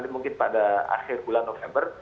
mungkin pada akhir bulan november